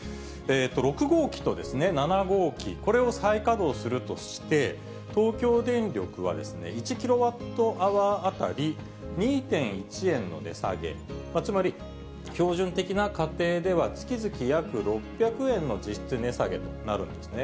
６号機と７号機、これを再稼働するとして、東京電力は１キロワットアワー当たり２．１円の値下げ、つまり標準的な家庭では、月々約６００円の実質値下げとなるんですね。